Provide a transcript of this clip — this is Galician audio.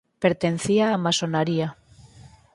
Pertencía á Masonaría.